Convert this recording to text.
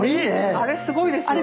あれすごいですよね。